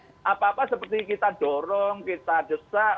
jadi apa apa seperti kita dorong kita desak